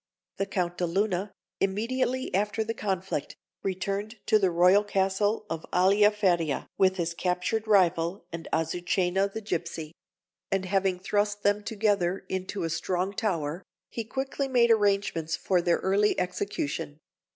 The Count de Luna, immediately after the conflict, returned to the royal castle of Aliaferia with his captured rival and Azucena the gipsy; and having thrust them together into a strong tower, he quickly made arrangements for their early execution.